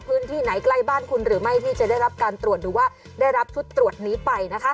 พื้นที่ไหนใกล้บ้านคุณหรือไม่ที่จะได้รับการตรวจหรือว่าได้รับชุดตรวจนี้ไปนะคะ